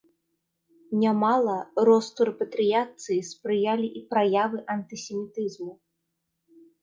Нямала росту рэпатрыяцыі спрыялі і праявы антысемітызму.